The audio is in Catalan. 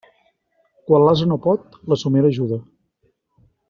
Quan l'ase no pot, la somera ajuda.